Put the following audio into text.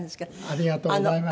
ありがとうございます。